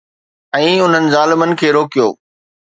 ۽ انهن ظالمن کي روڪيو